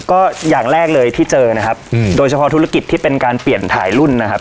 ก็อย่างแรกเลยที่เจอนะครับโดยเฉพาะธุรกิจที่เป็นการเปลี่ยนถ่ายรุ่นนะครับ